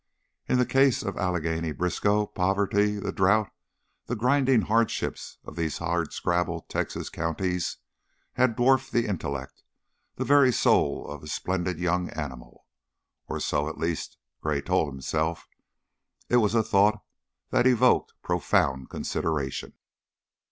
In the case of Allegheny Briskow, poverty, the drought, the grinding hardships of these hard scrabble Texas counties, had dwarfed the intellect, the very soul of a splendid young animal. Or so, at least, Gray told himself. It was a thought that evoked profound consideration.